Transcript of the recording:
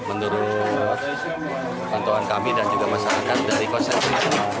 untuk pemerintah dan masyarakat dari konsensi